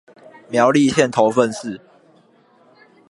苗栗縣頭份市